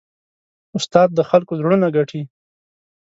استاد د خلکو زړونه ګټي.